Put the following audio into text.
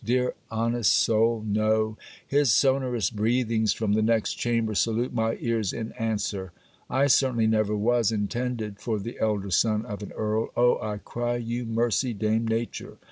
Dear honest soul, no: his sonorous breathings from the next chamber salute my ears in answer. I certainly never was intended for the elder son of an Earl. Oh, I cry you mercy, Dame Nature!